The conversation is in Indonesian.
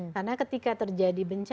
karena ketika terjadi bencana